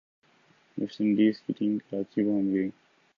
waste Indies کی team Karachi پہنچ گئی